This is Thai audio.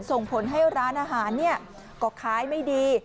ส่งผลให้ร้านอาหารก็ขายไม่ดี